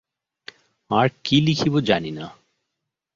আর কী লিখিব, জানি না।